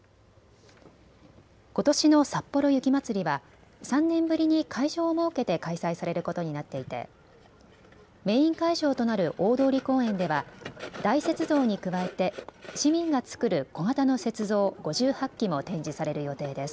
ことしのさっぽろ雪まつりは３年ぶりに会場を設けて開催されることになっていてメイン会場となる大通公園では大雪像に加えて市民がつくる小型の雪像５８基も展示される予定です。